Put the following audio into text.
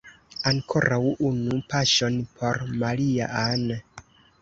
Ankoraŭ unu paŝon por Maria-Ann!